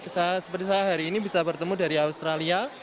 seperti saya hari ini bisa bertemu dari australia